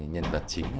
nhân vật chính